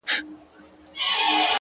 o سیاه پوسي ده. رنگونه نسته.